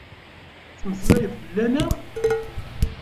Tettmeslayeḍ fell-aneɣ?